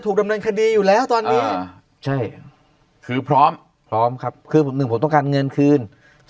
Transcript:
ดำเนินคดีอยู่แล้วตอนนี้ใช่คือพร้อมพร้อมครับคือหนึ่งผมต้องการเงินคืน